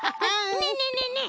ねえねえねえねえ！